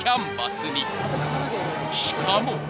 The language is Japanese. ［しかも］